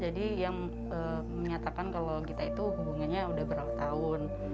jadi yang menyatakan kalau kita itu hubungannya sudah berapa tahun